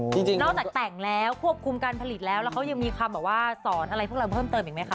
นอกจากแต่งแล้วควบคุมการผลิตแล้วเค้ายังมีคำสอนเพิ่มเติมมั้ยคะ